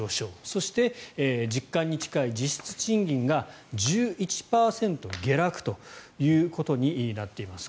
そして、実感に近い実質賃金が１１％下落ということになっています。